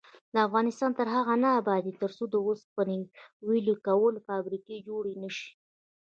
افغانستان تر هغو نه ابادیږي، ترڅو د اوسپنې ویلې کولو فابریکې جوړې نشي.